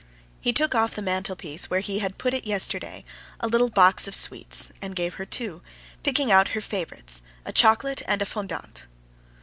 He took off the mantelpiece, where he had put it yesterday, a little box of sweets, and gave her two, picking out her favorites, a chocolate and a fondant.